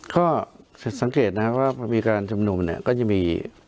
ก็สังเกตนะครับว่าพอมีการชุมนุมเนี่ยก็จะมี